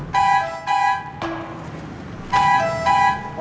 ntar gue pindah ke sana